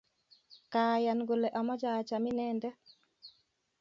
Kayan kole ameche acham inendet